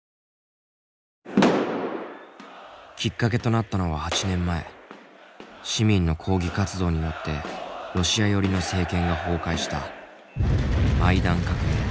きっかけとなったのは８年前市民の抗議活動によってロシア寄りの政権が崩壊したマイダン革命だ。